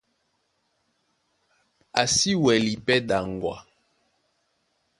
A si wɛlɛ́ pɛ́ ɗaŋgwa.